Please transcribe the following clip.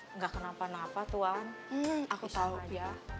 enggak kenapa napa tuhan aku tahu aja